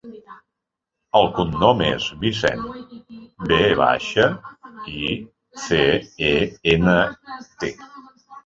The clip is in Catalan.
El cognom és Vicent: ve baixa, i, ce, e, ena, te.